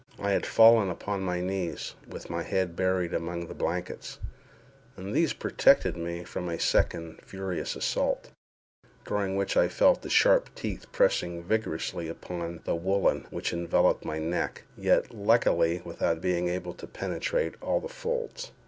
I had fallen upon my knees, with my head buried among the blankets, and these protected me from a second furious assault, during which I felt the sharp teeth pressing vigorously upon the woollen which enveloped my neck—yet, luckily, without being able to penetrate all the folds.